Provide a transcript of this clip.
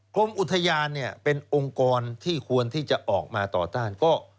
กรมอุทยานเป็นองค์กรที่ควรที่จะออกมาต่อต้าน